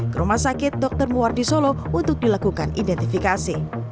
ke rumah sakit dr muardi solo untuk dilakukan identifikasi